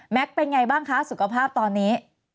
เป็นไงบ้างคะสุขภาพตอนนี้